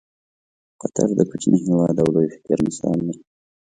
قطر د کوچني هېواد او لوی فکر مثال دی.